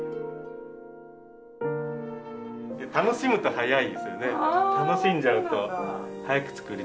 楽しむと早いですよね。